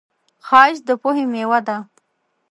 ښایست د پوهې میوه ده